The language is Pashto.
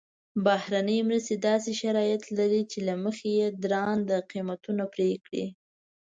بهرنۍ مرستې داسې شرایط لري چې له مخې یې درانده قیمتونه پرې کړي.